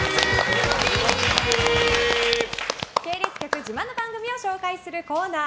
系列局自慢の番組を紹介するこのコーナー